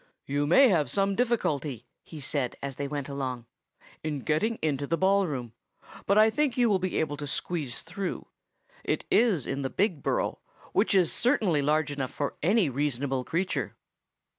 "You may have some difficulty," he said as they went along, "in getting into the ball room, but I think you will be able to squeeze through. It is in the Big Burrow, which is certainly large enough for any reasonable creature.